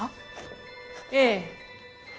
ええ。